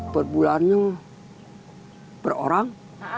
per bulannya per orang